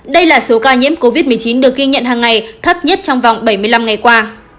đây là số ca nhiễm covid một mươi chín được ghi nhận hàng ngày thấp nhất trong vòng bảy mươi năm ngày qua